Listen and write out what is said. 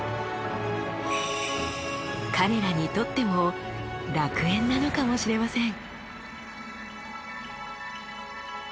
彼らにとっても楽園なのかもしれません。